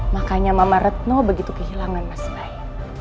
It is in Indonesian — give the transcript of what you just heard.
makanya mama retno begitu kehilangan mas mbaik